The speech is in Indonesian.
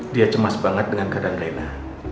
dia cemas banget dengan keadaan raina